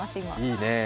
いいねぇ。